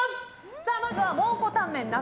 まずは蒙古タンメン中